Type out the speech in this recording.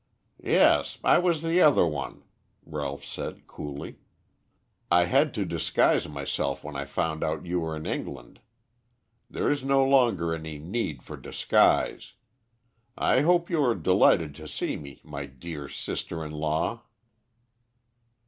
"Yes, I was the other one," Ralph said coolly. "I had to disguise myself when I found out you were in England. There is no longer any need for disguise. I hope you are delighted to see me, my dear sister in law."